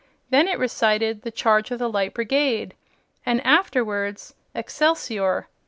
Then it recited 'The Charge of the Light Brigade' and afterwards 'Excelsior.'